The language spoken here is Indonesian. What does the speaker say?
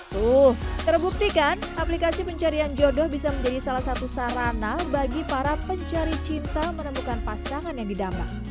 tuh terbuktikan aplikasi pencarian jodoh bisa menjadi salah satu sarana bagi para pencari cinta menemukan pasangan yang didamba